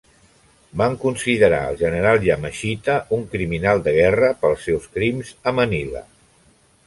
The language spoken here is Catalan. Van considerar el general Yamashita un criminal de guerra pels seus crims a Manila.